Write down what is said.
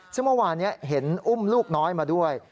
ซึ่งเมื่อวานนี้เห็นอุ้มลูกน้อยมาด้วย